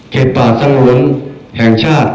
เขตป่าสังรมแห่งชาติ